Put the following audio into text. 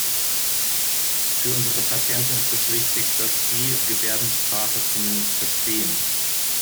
Für unsere Patienten ist es wichtig, dass Sie Gebärdensprache zumindest verstehen.